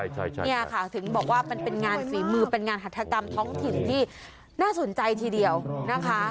ใช่ค่ะเนี่ยค่ะถึงบอกว่ามันเป็นงานฝีมือเป็นงานหัฐกรรมท้องถิ่นที่น่าสนใจทีเดียวนะคะ